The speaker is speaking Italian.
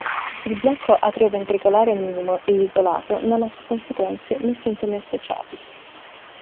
Il blocco atrioventricolare minimo ed isolato non ha conseguenze né sintomi associati.